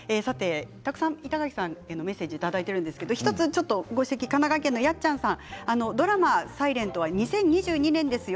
板垣さんへのメッセージいただいていますが神奈川県の方ドラマ「ｓｉｌｅｎｔ」は２０２２年ですよ